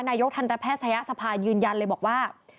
นายกทันตะแพทย์เทศสภายืนยันเลยบอกว่า